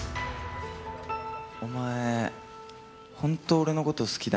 お前、本当、俺のこと好きだ